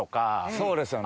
そうですよね。